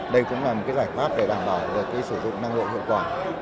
đây cũng là một giải pháp để đảm bảo được sử dụng năng lượng hiệu quả